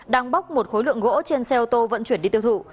đang bóc một khối lượng gỗ trên xe ô tô vận chuyển đi tiêu thụ